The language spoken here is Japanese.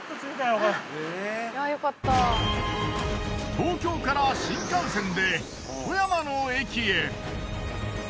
東京から新幹線で富山の駅へ。